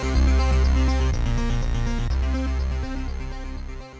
สวัสดีค่ะ